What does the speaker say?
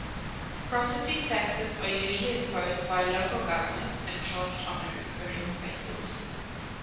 Property taxes are usually imposed by local governments and charged on a recurring basis.